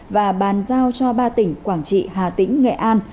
và bàn giao cho ba tỉnh quảng trị hà tĩnh nghệ an